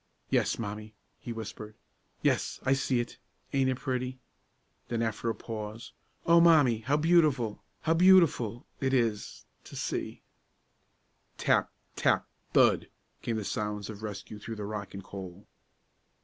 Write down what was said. "Yes, Mommie," he whispered, "yes, I see it; ain't it pretty!" Then, after a pause, "O Mommie, how beautiful how beautiful it is to see!" Tap, tap, thud, came the sounds of rescue through the rock and coal.